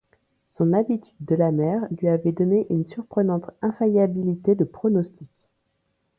Son habitude de la mer lui avait donné une surprenante infaillibilité de pronostic.